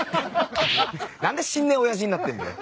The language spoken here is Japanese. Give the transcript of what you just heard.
何で知んねえ親父になってんだよ。